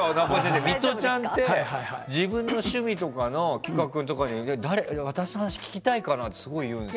ミトちゃんって自分の趣味とかの企画とかで私の話聞きたいかな？ってすごく言うんですよ。